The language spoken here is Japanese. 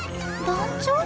団長？